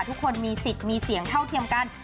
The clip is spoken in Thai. ทุกคนมีสิทธิ์มีเสียงเท่าเทียมกัน